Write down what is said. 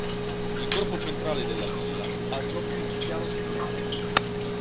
Il corpo centrale della villa, a giochi chiaroscurali.